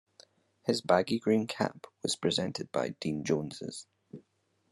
His baggy green cap was presented by Dean Jones.